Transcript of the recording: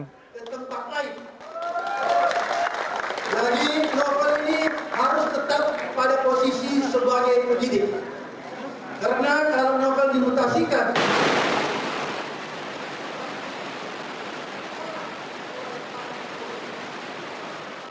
ya abraham samad yang juga sebelumnya pernah menjabat sebagai ketua dari komisi pemberantasan korupsi begitu